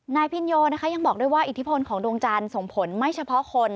พินโยนะคะยังบอกด้วยว่าอิทธิพลของดวงจันทร์ส่งผลไม่เฉพาะคน